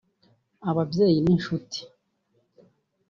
ababyeyi n’inshuti